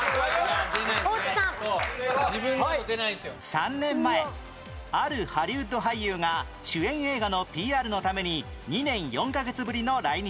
３年前あるハリウッド俳優が主演映画の ＰＲ のために２年４カ月ぶりの来日